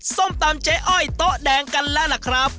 ส้มตำเจ๊อ้อยโต๊ะแดงกันแล้วล่ะครับ